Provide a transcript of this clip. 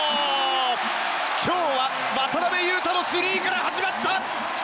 今日は渡邊雄太のスリーから始まった！